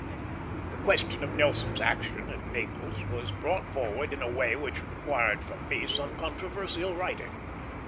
The question of Nelson's action at Naples was brought forward in a way which required from me some controversial writing.